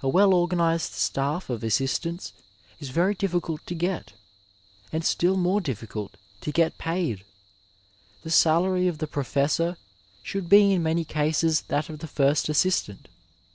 A well organized staff of assistants is very difficult to get, and still more diffi cult to get paid. The salary of the professor should be in many cases that of the first assistant.